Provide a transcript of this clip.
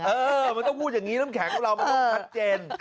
เออมันต้องพูดอย่างนี้น้ำแข็งของเรามันต้องชัดเจน